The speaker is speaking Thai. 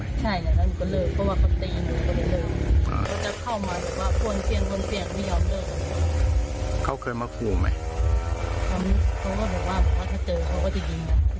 เขาก็บอกว่าถ้าเจอเขาก็จะยิ้มแบบนี้